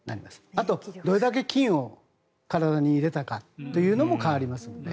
あとどれだけ菌を体に入れたかというのも変わりますので。